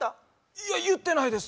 いや言ってないです。